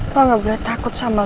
kau gak boleh takut sama aku